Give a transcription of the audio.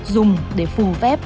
dùng để phù phép